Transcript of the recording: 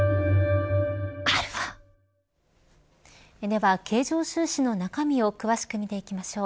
では経常収支の中身を詳しく見ていきましょう。